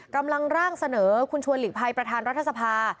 กำลังร่างเสนอคุณชวนหลีกภัยประธานรัฐสภา